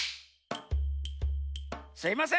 すいません！